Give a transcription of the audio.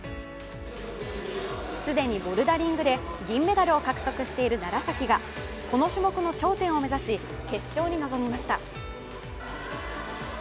すでにボルダリングで銀メダルを獲得している楢崎がこの種目の頂点を目指し、決勝に臨みました。